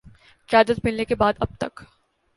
قیادت ملنے کے بعد اب تک